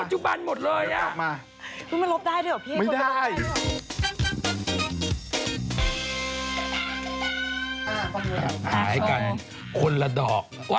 หาให้กันคนล่ะดอก